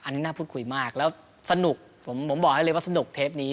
อันนี้น่าพูดคุยมากแล้วสนุกผมบอกได้เลยว่าสนุกเทปนี้